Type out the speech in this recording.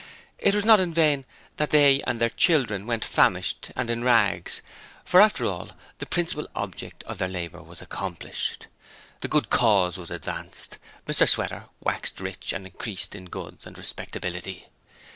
It was not in vain that they and their children went famished and in rags, for after all, the principal object of their labour was accomplished: the Good Cause was advanced. Mr Sweater waxed rich and increased in goods and respectability.